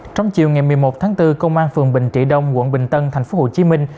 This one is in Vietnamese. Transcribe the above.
trong chiều ngày một mươi một tháng bốn công an phường bình trị đông quận bình tân thành phố hồ chí minh